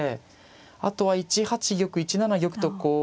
あとは１八玉１七玉とこう。